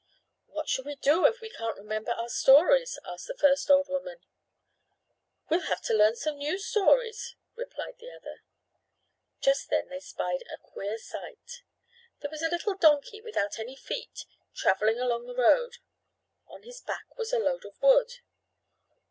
"What shall we do if we can't remember our stories?" asked the first old woman. "We'll have to learn some new stories," replied the other. Just then they spied a queer sight. There was a little donkey without any feet traveling along the road. On his back was a load of wood.